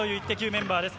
メンバーです。